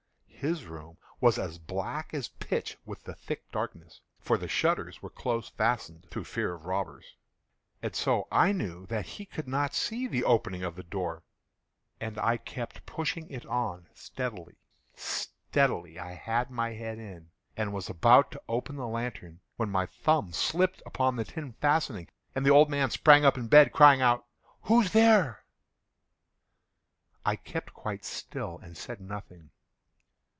His room was as black as pitch with the thick darkness, (for the shutters were close fastened, through fear of robbers,) and so I knew that he could not see the opening of the door, and I kept pushing it on steadily, steadily. I had my head in, and was about to open the lantern, when my thumb slipped upon the tin fastening, and the old man sprang up in bed, crying out—"Who's there?" I kept quite still and said nothing.